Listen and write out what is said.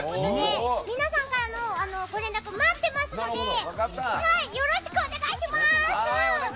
皆さんからのご連絡待っていますのでよろしくお願いします！